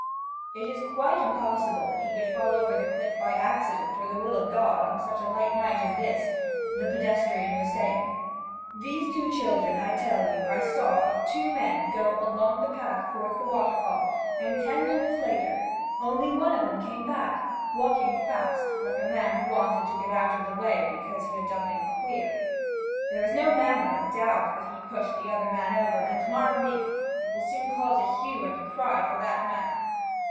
'It is quite impossible that he could fall over the cliff by accident or the will of God on such a light night as this,' the pedestrian was saying. 'These two children I tell you of saw two men go along the path toward the waterfall, and ten minutes later only one of 'em came back, walking fast, like a man who wanted to get out of the way because he had done something queer. There is no manner of doubt that he pushed the other man over, and, mark me, it will soon cause a hue and cry for that man.'